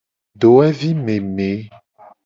Dowevi meme.